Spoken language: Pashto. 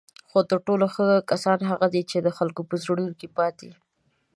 خو تر ټولو ښه کسان هغه دي چی د خلکو په زړونو کې پاتې